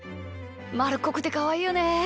まるっこくてかわいいよね。